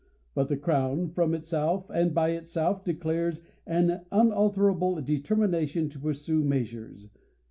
But the crown, from itself, and by itself, declares an unaltera ble determination to pursue measures.